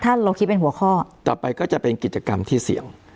ถ้าเราคิดเป็นหัวข้อต่อไปก็จะเป็นกิจกรรมที่เสี่ยง